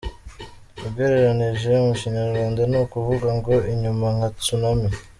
, ugereranije mu Kinyarwanda ni ukuvuga ngo “Inyuma nka Tsunami.